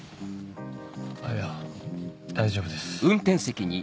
あっいや大丈夫です。